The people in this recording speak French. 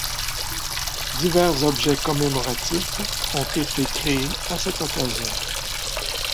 Divers objets commémoratifs ont été créés à cette occasion.